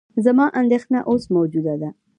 زما اندېښنه اوس موجوده ده.